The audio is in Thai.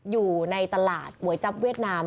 อยู่ในตลาดก๋วยจับเวียดนาม